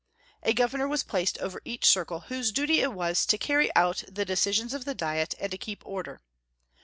A governor was placed over each circle, whose duty it was to carry out the decisions of the diet and to keep order.